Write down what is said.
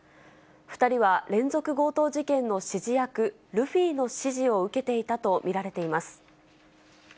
２人は連続強盗事件の指示役、ルフィの指示を受けていたと見られています。